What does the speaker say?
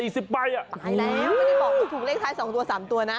ตายแล้วไม่ได้บอกว่าถูกเลขท้าย๒ตัว๓ตัวนะ